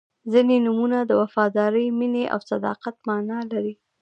• ځینې نومونه د وفادارۍ، مینې او صداقت معنا لري.